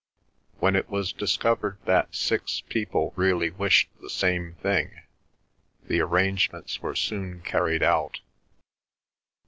When it was discovered that six people really wished the same thing the arrangements were soon carried out.